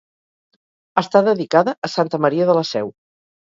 Està dedicada a Santa Maria de la Seu.